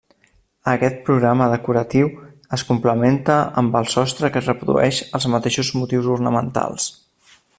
Aquest programa decoratiu es complementa amb el sostre que reprodueix els mateixos motius ornamentals.